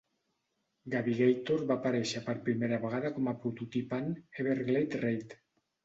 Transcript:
Gabby Gator va aparèixer per primera vegada com a prototip en "Everglade Raid".